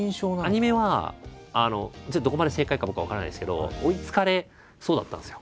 アニメはちょっとどこまで正解か僕は分からないですけど追いつかれそうだったんですよ